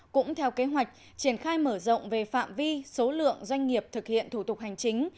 cũng theo kế hoạch triển khai mở rộng về phạm vi số lượng doanh nghiệp thực hiện thủ tục hành chính